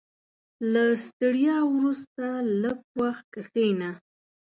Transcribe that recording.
• له ستړیا وروسته، لږ وخت کښېنه.